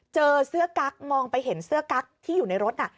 เจอเสื้อกั๊กมองไปเห็นเสื้อกั๊กที่อยู่ในรถน่ะ